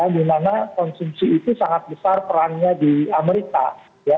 di mana konsumsi itu sangat besar perannya di amerika